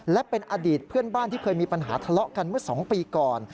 และเป็นอดีตเพื่อนบ้านที่เคยมีปัญหาทะเลาะกันเมื่อ๒ปีก่อน